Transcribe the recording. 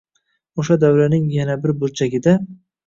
O’sha davraning yana bir burchiagida